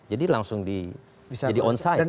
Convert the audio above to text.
jadi langsung di onsite